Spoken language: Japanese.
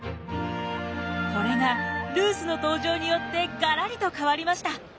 これがルースの登場によってガラリと変わりました。